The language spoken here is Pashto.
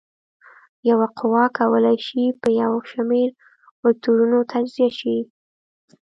یوه قوه کولی شي په یو شمېر وکتورونو تجزیه شي.